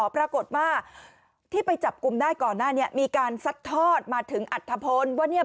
ปรากฏว่าที่ไปจับกลุ่มได้ก่อนหน้านี้มีการซัดทอดมาถึงอัธพลว่าเนี่ย